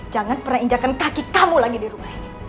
jangan pernah injakan kaki kamu lagi di rumah ini